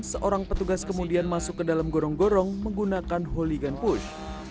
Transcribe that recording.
seorang petugas kemudian masuk ke dalam gorong gorong menggunakan holigan push